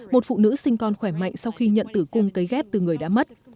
một phụ nữ sinh con khỏe mạnh sau khi nhận tử cung cấy ghép từ người đã mất